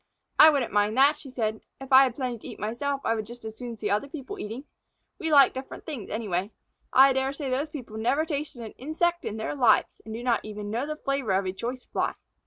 "I wouldn't mind that," she said. "If I have plenty to eat myself, I would just as soon see other people eating. We like different things anyway. I dare say those people never tasted an insect in their lives and do not even know the flavor of a choice Fly."